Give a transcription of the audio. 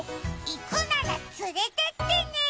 行くなら連れてってね。